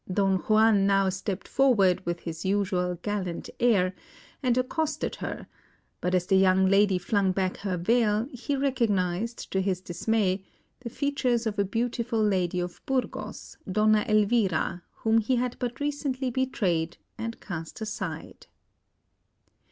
Don Juan now stepped forward with his usual gallant air, and accosted her; but as the young lady flung back her veil, he recognised, to his dismay, the features of a beautiful lady of Burgos, Donna Elvira, whom he had but recently betrayed and cast aside.